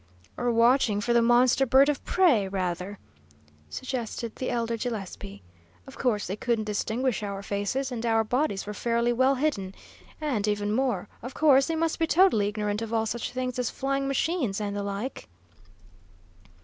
"Or watching for the monster bird of prey, rather," suggested the elder Gillespie. "Of course they couldn't distinguish our faces, and our bodies were fairly well hidden. And, even more, of course, they must be totally ignorant of all such things as flying machines and the like."